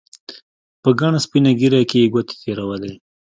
په گڼه سپينه ږيره کښې يې گوتې تېرولې.